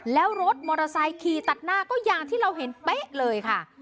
แล้วรถมอเตอร์ไซค์ขี่ตัดหน้าก็อย่างที่เราเห็นเป๊ะเลยค่ะ